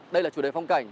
đây là chủ đề phong cảnh